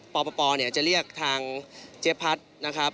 ปปจะเรียกทางเจ๊พัดนะครับ